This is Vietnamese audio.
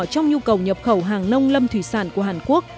trong nhu cầu nhập khẩu hàng nông lâm thủy sản của hàn quốc